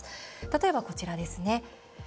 例えば、こちらですね。